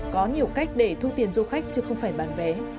có nhiều cách để thu tiền du khách chứ không phải bán vé